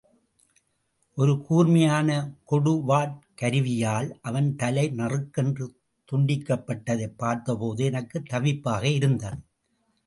ஒரு கூர்மையான கொடுவாட் கருவியால் அவன் தலை நறுக்கென்று துண்டிக்கப்பட்டதைப் பார்த்தபோது எனக்குத் தவிப்பாக இருந்தது.